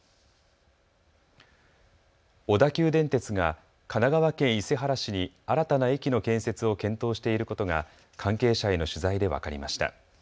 小田急電鉄が神奈川県伊勢原市に新たな駅の建設を検討していることが関係者への取材で分かりました。